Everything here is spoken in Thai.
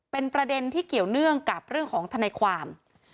เป็นประเด็นที่เกี่ยวเนื่องกับเรื่องของทนายความ